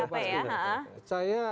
harus siap capek ya